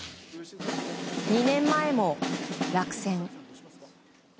２年前も落選。